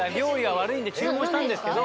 悪いんで注文したんですけど。